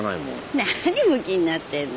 何むきになってんの。